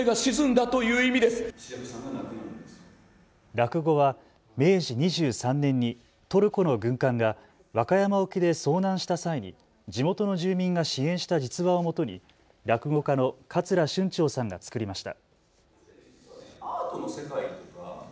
落語は明治２３年にトルコの軍艦が和歌山沖で遭難した際に地元の住民が支援した実話をもとに落語家の桂春蝶さんが作りました。